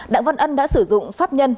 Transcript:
đặng văn ân đã sử dụng pháp nhân